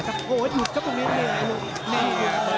โอ้โหยุดกระปุ่งเนียว